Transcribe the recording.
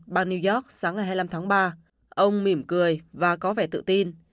bang new york sáng ngày hai mươi năm tháng ba ông mỉm cười và có vẻ tự tin